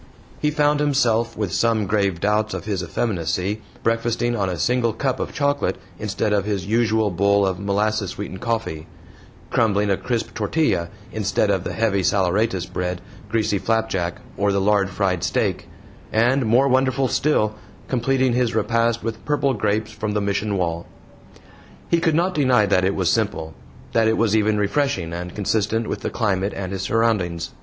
He found himself, with some grave doubts of his effeminacy, breakfasting on a single cup of chocolate instead of his usual bowl of molasses sweetened coffee; crumbling a crisp tortilla instead of the heavy saleratus bread, greasy flapjack, or the lard fried steak, and, more wonderful still, completing his repast with purple grapes from the Mission wall. He could not deny that it was simple that it was even refreshing and consistent with the climate and his surroundings.